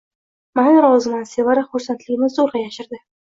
Mayli, roziman, Sevara xursandligini zo`rјa yashirdi